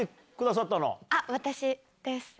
あっ、私です。